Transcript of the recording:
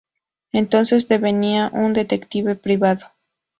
Entonces devenía un detective privado.